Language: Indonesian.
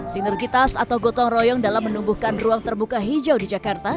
sinergitas atau gotong royong dalam menumbuhkan ruang terbuka hijau di jakarta